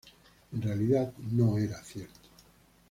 En realidad, no era cierto.